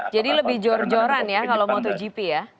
jadi lebih jor joran ya kalau motogp ya